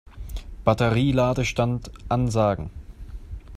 Batterie-Ladestand ansagen.